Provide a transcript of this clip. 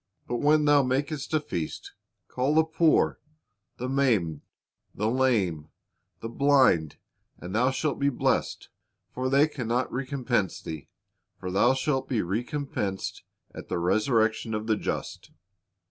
But when thou makest a feast, call the poor, the maimed, the lame, the blind: and thou shalt be blessed; for they can not recompense thee: for thou shalt be recom pensed at the resurrection of the just."